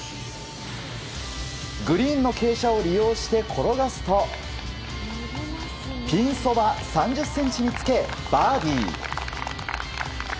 グリーンの傾斜を利用して転がすとピンそば３０ｃｍにつけバーディー。